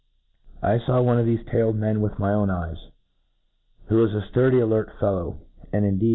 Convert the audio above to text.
I few one of thefe tailed men with my own eyes, who was a fturdy alert fellow ;— and, indeed.